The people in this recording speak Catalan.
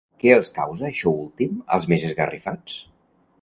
Què els causa, això últim, als més esgarrifats?